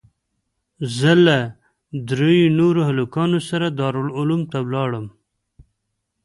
زه له درېو نورو هلکانو سره دارالعلوم ته ولاړم.